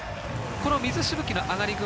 この水しぶきの上がり具合